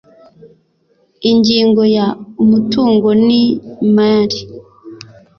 ingingo ya umutungo n imari